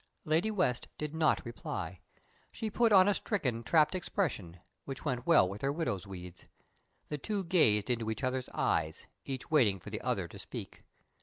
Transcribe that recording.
'" Lady West did not reply. She put on a stricken, trapped expression, which went well with her widow's weeds. The two gazed into each other's eyes, each waiting for the other to speak.